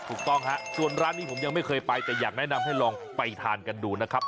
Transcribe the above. ถูกต้องฮะส่วนร้านนี้ผมยังไม่เคยไปแต่อยากแนะนำให้ลองไปทานกันดูนะครับ